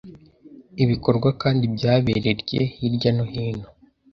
Ibikorwa kandi byabererye hirya no hino